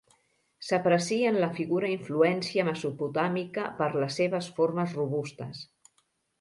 S'aprecia en la figura influència mesopotàmica per les seves formes robustes.